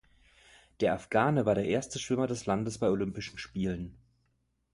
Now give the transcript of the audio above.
Der Afghane war der erste Schwimmer des Landes bei Olympischen Spielen.